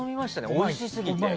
おいしすぎて。